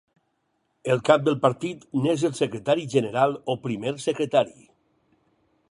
El cap del partit n'és el secretari general o primer secretari.